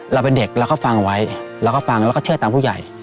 เราเป็นเด็กเราก็ฟังไว้เราก็ฟังแล้วก็เชื่อตามผู้ใหญ่